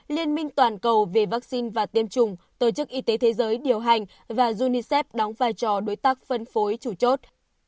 liên minh toàn cầu về vaccine và tiêm chủng tổ chức y tế thế giới điều hành và unicef đóng vai trò đối tác phân phối chủ chốt